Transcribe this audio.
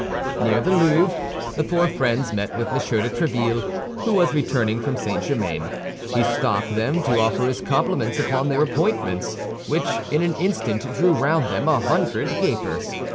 Near the Louvre the four friends met with M. de Tréville, who was returning from St. Germain; he stopped them to offer his compliments upon their appointments, which in an instant drew round them a hundred gapers.